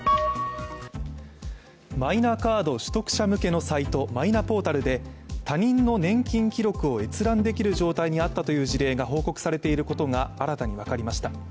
マイナカード取得者向けのサイトマイナポータルで他人の年金記録を閲覧できる状態にあったという事例が報告されていることが新たに分かりました。